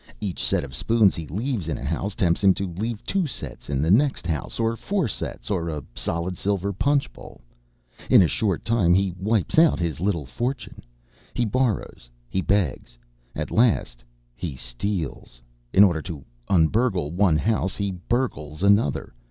Each set of spoons he leaves in a house tempts him to leave two sets in the next house, or four sets, or a solid silver punch bowl. In a short time he wipes out his little fortune. He borrows. He begs. At last he steals! In order to un burgle one house he burgles another.